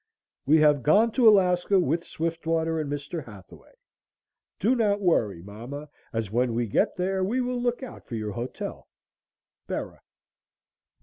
"We have gone to Alaska with Swiftwater and Mr. Hathaway. Do not worry, mama, as when we get there we will look out for your hotel." "BERA."